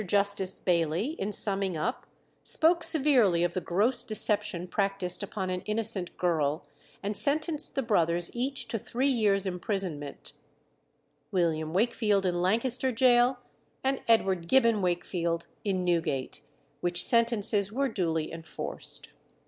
Justice Bayley, in summing up, spoke severely of the gross deception practised upon an innocent girl, and sentenced the brothers each to three years' imprisonment, William Wakefield in Lancaster Gaol, and Edward Gibbon Wakefield in Newgate, which sentences were duly enforced.